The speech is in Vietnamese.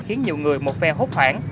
khiến nhiều người một phe hút khoảng